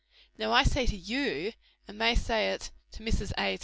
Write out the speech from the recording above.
Now I say to you and may I say it to Mrs. A.